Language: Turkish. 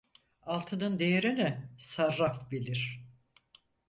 Altının değerini sarraf bilir.